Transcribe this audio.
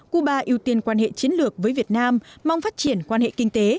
cuba ưu tiên quan hệ chiến lược với việt nam mong phát triển quan hệ kinh tế